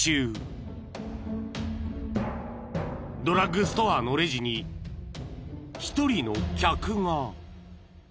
［ドラッグストアのレジに１人の客が］